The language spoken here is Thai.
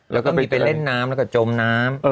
แล้วก็มีไปเล่นน้ำแล้วก็จมน้ำ